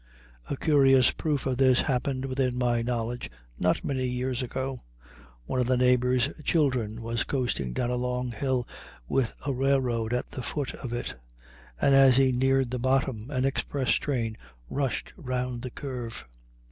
A curious proof of this happened within my knowledge not many years ago. One of the neighbor's children was coasting down a long hill with a railroad at the foot of it, and as he neared the bottom an express train rushed round the curve.